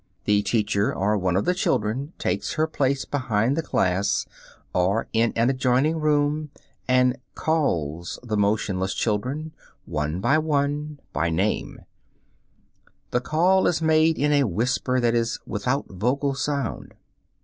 The teacher, or one of the children, takes her place behind the class or in an adjoining room, and "calls" the motionless children, one by one, by name; the call is made in a whisper, that is, without vocal sound.